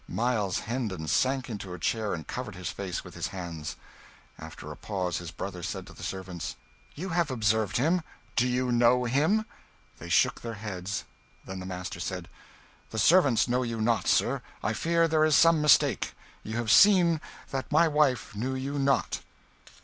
Miles Hendon sank into a chair and covered his face with his hands. After a pause, his brother said to the servants "You have observed him. Do you know him?" They shook their heads; then the master said "The servants know you not, sir. I fear there is some mistake. You have seen that my wife knew you not."